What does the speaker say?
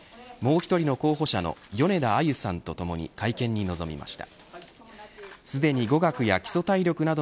１人の候補者の米田あゆさんとともに会見に臨みました。